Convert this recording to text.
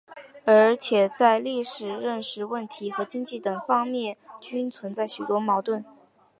而且在历史认识问题和经济等方面均存在许多矛盾。